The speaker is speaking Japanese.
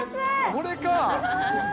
これか。